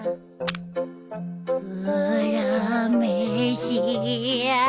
うらめしや。